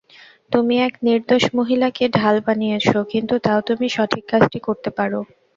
তুমি এক নির্দোষ মহিলাকে ঢাল বানিয়েছো, কিন্তু তাও তুমি সঠিক কাজটি করতে পারো।